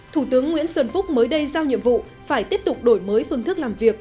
thủ tướng nguyễn xuân phúc mới đây giao nhiệm vụ phải tiếp tục đổi mới phương thức làm việc